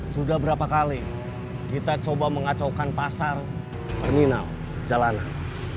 sudah berapa kali kita coba mengacaukan pasar terminal jalanan